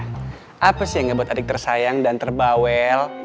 gak usah sih ngebat adik tersayang dan terbawel